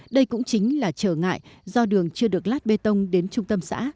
đây cũng chính là trở ngại do đường chưa được lát bê tông đến trung tâm xã